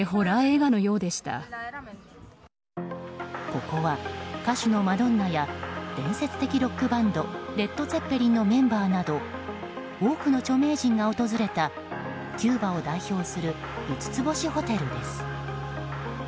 ここは歌手のマドンナや伝説的ロックバンドレッドツェッペリンのメンバーなど多くの著名人が訪れたキューバを代表する５つ星ホテルです。